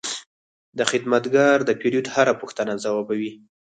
دا خدمتګر د پیرود هره پوښتنه ځوابوي.